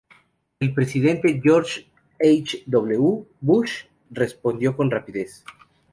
El presidente George H. W. Bush respondió con rapidez.